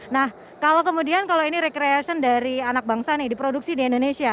nah kalau kemudian kalau ini recreation dari anak bangsa nih diproduksi di indonesia